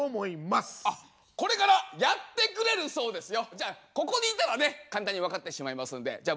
じゃあここにいたらね簡単に分かってしまいますのでじゃあ